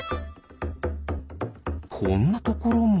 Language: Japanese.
こんなところも。